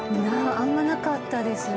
あんまなかったです。